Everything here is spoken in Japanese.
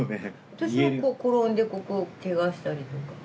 私は転んでここをけがしたりとか。